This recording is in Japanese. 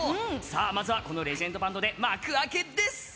まずはこのレジェンドバンドで幕開けです。